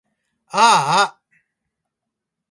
あーあ